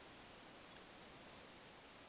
په نوره نړي کي د هیواد په نامه پيژندل کيږي.